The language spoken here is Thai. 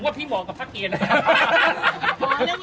ผมว่าพี่หมอกับภาพเกณฑ์นะครับ